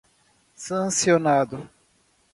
sancionado